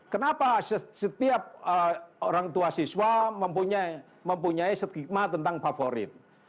kenapa setiap orang tua siswa mempunyai stigma tentang favorit